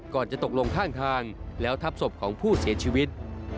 จะตกลงข้างทางแล้วทับศพของผู้เสียชีวิต